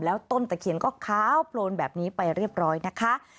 แล้วต้นตะเคียนก็ขาวโพลนแบบนี้ไปเรียบร้อยนะคะ